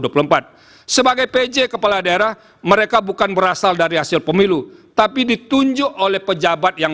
sebagai pj kepala daerah mereka bukan berasal dari hasil pemilu tapi ditunjuk oleh pejabat yang